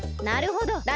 なるほど！